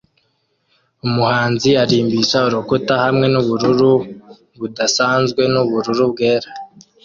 Umuhanzi arimbisha urukuta hamwe nubururu budasanzwe nubururu bwera